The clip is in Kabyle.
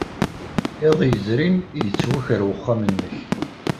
Iḍ yezrin, yettwaker wexxam-nnek.